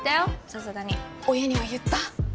さすがに親には言った？